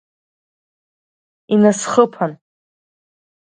Инасхыԥан!